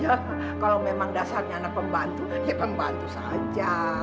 ya kalau memang dasarnya anak pembantu ya pembantu saja